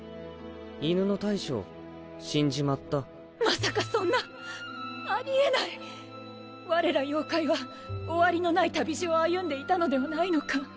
犬の大将死んじまったまさかそんなありえない我ら妖怪は終わりのない旅路を歩んでいたのではないのか！？